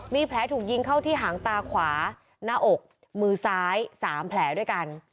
มีแผลถูกยิงเข้าที่หางตาขวาหน้าอกมือซ้าย๓แผลด้วยกัน